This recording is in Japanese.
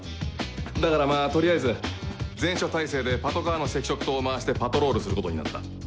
だからまぁ取りあえず全署態勢でパトカーの赤色灯を回してパトロールすることになった。